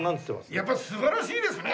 やっぱ素晴らしいですね。